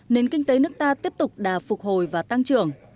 nền kinh tế nước ta tiếp tục đà phục hồi và tăng trưởng